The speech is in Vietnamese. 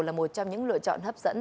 là một trong những lựa chọn hấp dẫn